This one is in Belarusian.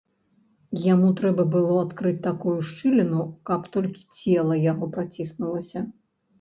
Яму трэба было адкрыць такую шчыліну, каб толькі цела яго праціснулася.